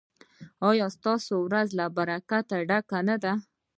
ایا ستاسو ورځ له برکته ډکه نه ده؟